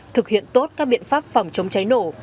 thực hiện tốt các biện pháp phòng chống cháy nổ